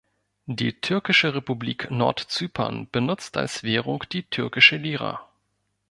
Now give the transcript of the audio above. Die Türkische Republik Nordzypern benutzt als Währung die Türkische Lira.